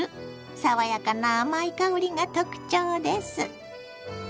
爽やかな甘い香りが特徴です。